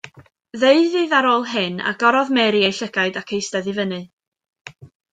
Ddeuddydd ar ôl hyn, agorodd Mary ei llygaid ac eistedd i fyny.